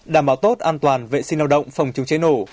đảm bảo tốt an toàn vệ sinh lao động phòng chống cháy nổ